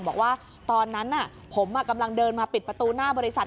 บอกว่าตอนนั้นผมกำลังเดินมาปิดประตูหน้าบริษัท